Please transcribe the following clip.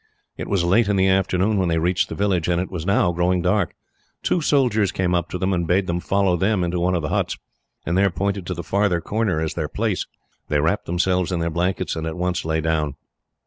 It was late in the afternoon when they reached the village, and it was now growing dark. Two soldiers came up to them, and bade them follow them into one of the huts, and there pointed to the farther corner as their place. They wrapped themselves in their blankets, and at once lay down.